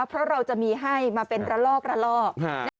เพราะเราจะมีให้มาเป็นระลอกละลอก